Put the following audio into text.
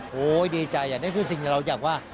โอ้โฮดีใจนี่คือสิ่งที่เราอยากว่า